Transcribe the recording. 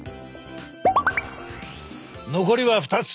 残りは２つ。